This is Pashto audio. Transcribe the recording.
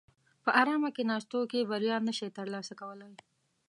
په ارامه کیناستونکي بریا نشي ترلاسه کولای.